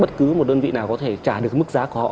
bất cứ một đơn vị nào có thể trả được mức giá của họ